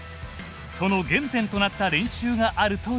その原点となった練習があるという。